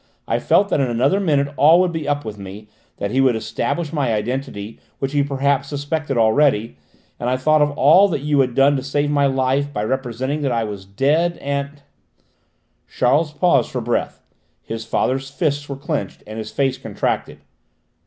I felt that in another minute all would be up with me that he would establish my identity, which he perhaps suspected already and I thought of all you had done to save my life by representing that I was dead, and " Charles paused for breath. His father's fists were clenched and his face contracted.